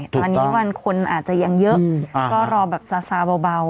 ตอนนี้วันคนอาจจะยังเยอะก็รอแบบซาซาเบา